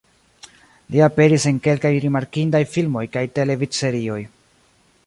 Li aperis en kelkaj rimarkindaj filmoj kaj televidserioj.